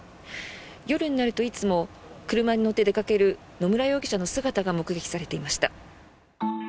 夜になるといつも車に乗って出かける野村容疑者の姿が目撃されていました。